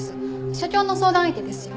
社長の相談相手ですよ。